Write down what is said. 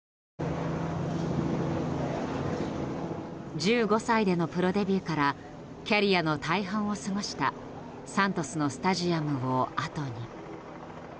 １５歳でのプロデビューからキャリアの大半を過ごしたサントスのスタジアムを後に。